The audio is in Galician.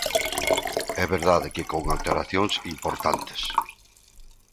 É verdade que con alteracións importantes.